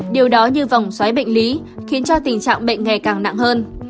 điều đó như vòng xoáy bệnh lý khiến cho tình trạng bệnh ngày càng nặng hơn